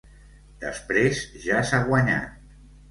Després, ja s'ha guanyat.